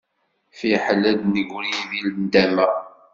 Fiḥel ad d-negri di nndama.